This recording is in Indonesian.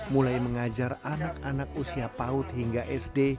mulai mengajar anak anak usia paut hingga sd